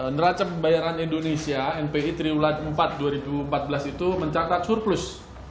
neraca pembayaran indonesia npi triwulan empat dua ribu empat belas itu mencatat surplus